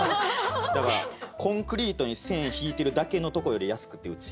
だからコンクリートに線引いてるだけのとこより安くてうち。